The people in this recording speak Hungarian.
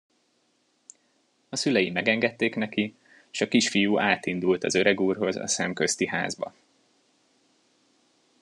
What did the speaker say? A szülei megengedték neki, s a kisfiú átindult az öregúrhoz a szemközti házba.